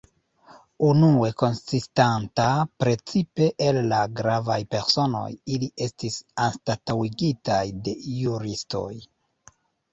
Unue konsistanta precipe el la gravaj personoj, ili estis anstataŭigitaj de juristoj.